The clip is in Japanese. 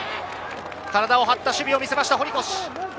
体を張った守備を見せました、堀越。